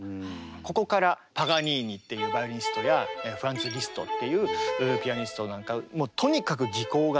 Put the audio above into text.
ここからパガニーニっていうバイオリニストやフランツ・リストっていうピアニストなんかもうとにかく技巧がすごい。